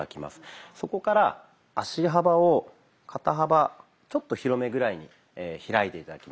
そこから足幅を肩幅ちょっと広めぐらいに開いて頂きます。